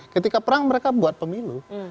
ketika perang mereka buat pemilu